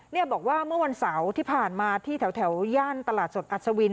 บอกว่าเมื่อวันเสาร์ที่ผ่านมาที่แถวย่านตลาดสดอัศวิน